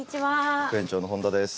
副園長の本田です。